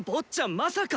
まさか！